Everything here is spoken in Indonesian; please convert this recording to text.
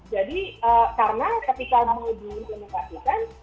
jadi karena ketika mau diimplementasikan